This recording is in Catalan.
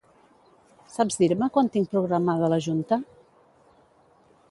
Saps dir-me quan tinc programada la junta?